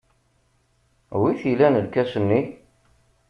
Wi t-ilan lkas-nni?